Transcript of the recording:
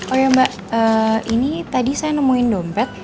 oh ya mbak ini tadi saya nemuin dompet